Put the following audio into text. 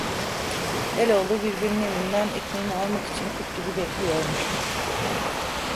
Eloğlu birbirinin elinden ekmeğini almak için kurt gibi bekliyormuş.